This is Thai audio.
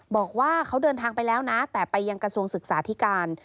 บอกว่าเขาเดินทางไปแล้วนะแต่ไปยังกระทรวงศึกษาธิการ